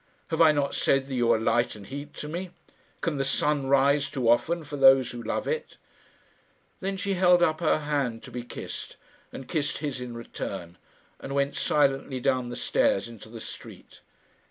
Have I not said that you are light and heat to me? Can the sun rise too often for those who love it?" Then she held her hand up to be kissed, and kissed his in return, and went silently down the stairs into the street.